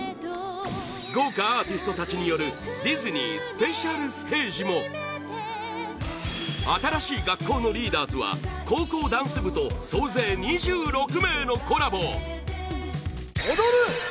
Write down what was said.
豪華アーティストたちによるディズニースペシャルステージも新しい学校のリーダーズは高校ダンス部と総勢２６名のコラボ